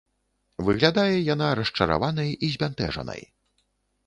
Выглядае яна расчараванай і збянтэжанай.